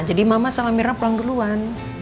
jadi mama sama mirna pulang duluan